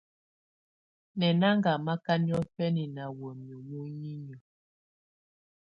Nɛ̀ na ngamaka niɔfɛna nà wamɛ̀á muninƴǝ̀.